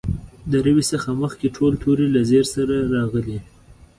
د روي څخه مخکې ټول توري له زېر سره راغلي.